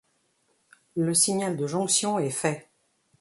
Le signal de jonction est fait.